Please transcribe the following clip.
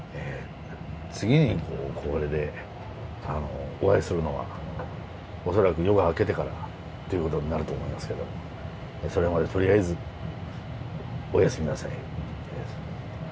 次にこれでお会いするのは恐らく夜が明けてからということになると思いますけどもそれまでとりあえずおやすみなさい。